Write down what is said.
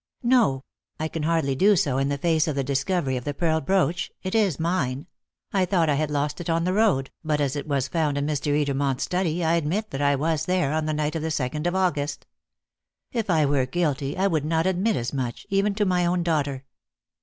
"No; I can hardly do so in the face of the discovery of the pearl brooch. It is mine; I thought I had lost it on the road, but as it was found in Mr. Edermont's study I admit that I was there on the night of the second of August. If I were guilty, I would not admit as much, even to my own daughter."